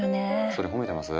それ褒めてます？